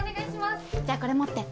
じゃあこれ持って。